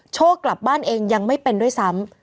โชคกลับบ้านเองยังไม่เป็นด้วยซ้ำ